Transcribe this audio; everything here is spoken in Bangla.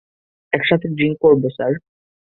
একসাথে ড্রিংক করবো স্যার।